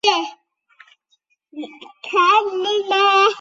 所有学会均由学生担任干事筹办活动。